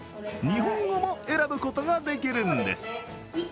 日本語も選ぶこともできるんです。